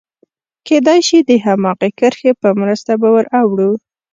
کېدای شي د هماغې کرښې په مرسته به ور اوړو.